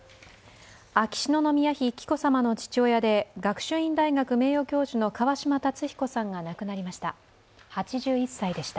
秋篠宮妃・紀子さまの父親で学習院大学名誉教授の川嶋辰彦さんが亡くなりました。